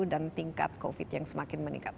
tingkat covid yang semakin meningkat